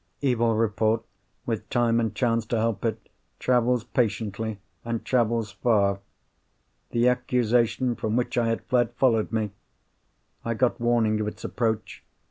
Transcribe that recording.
Evil report, with time and chance to help it, travels patiently, and travels far. The accusation from which I had fled followed me. I got warning of its approach.